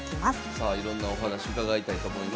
さあいろんなお話伺いたいと思います。